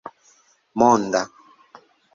monda